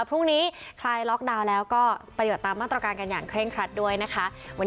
พรุ่งนี้คลายล็อกดาวน์แล้วก็ปฏิบัติตามมาตรการกันอย่างเคร่งครัดด้วยนะคะ